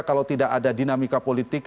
kalau tidak ada dinamika politik